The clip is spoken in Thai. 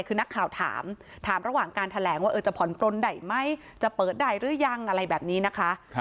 คือนักข่าวถามถามระหว่างการแถลงว่าจะผ่อนปลนได้ไหมจะเปิดได้หรือยังอะไรแบบนี้นะคะ